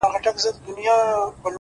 د تجربې حکمت په عمل کې ځلېږي،